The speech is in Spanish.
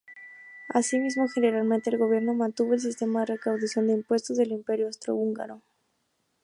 Asimismo, generalmente el Gobierno mantuvo el sistema de recaudación de impuestos del Imperio austrohúngaro.